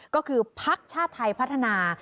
ก็คือพรรคชาติไทยพัฒนา